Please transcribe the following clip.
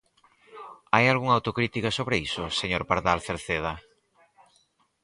¿Hai algunha autocrítica sobre iso, señor Pardal Cerceda?